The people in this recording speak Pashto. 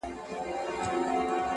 ما په قرآن کي د چا ولوستی صفت شېرينې;